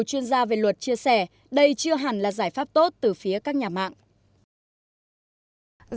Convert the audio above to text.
chuyên gia về luật chia sẻ đây chưa hẳn là giải pháp tốt từ phía các nhà mạng